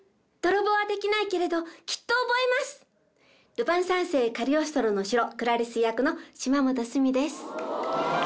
『ルパン三世カリオストロの城』クラリス役の島本須美です。